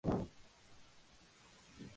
El tallo tiene espinas y es muy ramificado.